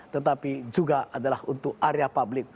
tetapi juga adalah untuk area publik